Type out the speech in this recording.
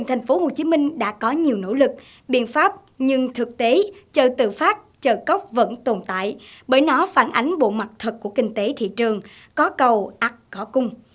tình trạng chợ tự phát chợ cóc vẫn tồn tại bởi nó phản ánh bộ mặt thật của kinh tế thị trường có cầu ắc có cung